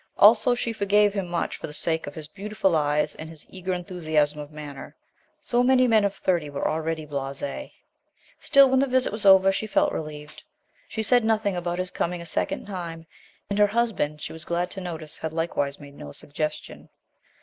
Also she forgave him much for the sake of his beautiful eyes and his eager enthusiasm of manner. So many men of thirty were already blase. Still, when the visit was over, she felt relieved. She said nothing about his coming a second time, and her husband, she was glad to notice, had likewise made no suggestion.